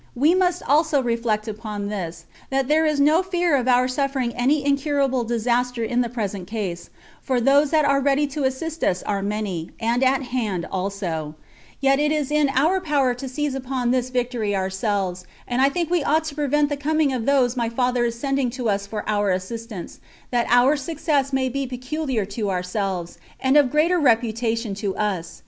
We must also reflect upon this, that there is no fear of our suffering any incurable disaster in the present case; for those that are ready to assist us are many, and at hand also; yet it is in our power to seize upon this victory ourselves; and I think we ought to prevent the coming of those my father is sending to us for our assistance, that our success may be peculiar to ourselves, and of greater reputation to us.